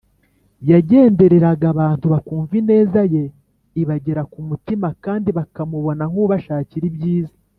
Yagendereraga abantu bakumva ineza ye ibagera ku mutima kandi bakamubona nk’ubashakira ibyiza.